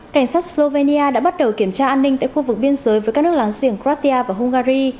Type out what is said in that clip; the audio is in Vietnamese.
cảnh sát slovenia đã bắt đầu kiểm tra an ninh tại khu vực biên giới với các nước láng giềng kratia và hungary